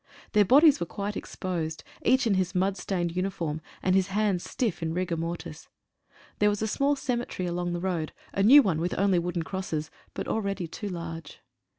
Their bodies were quite exposed — each in his mud stained uniform, and his hands stiff in rigor mortis. There was a small cemetery along the road, a new one with only wooden crosses, but already too large.